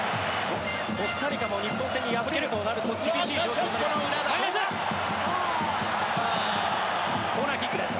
コスタリカも日本戦に敗れるとなると厳しい状況になります。